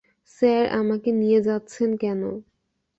Sir, আমাকে নিয়ে যাচ্ছেন কেন?